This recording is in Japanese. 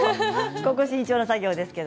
ここは慎重な作業ですけど。